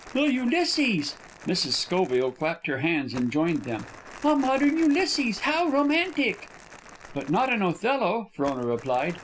"A Ulysses!" Mrs. Schoville clapped her hands and joined them. "A modern Ulysses! How romantic!" "But not an Othello," Frona replied.